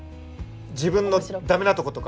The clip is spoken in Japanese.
自分のだめなとことか。